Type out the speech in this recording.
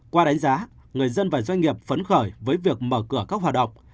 qua đánh giá người dân và doanh nghiệp phấn khởi với việc mở cửa các hoạt động